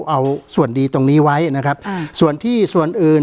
การแสดงความคิดเห็น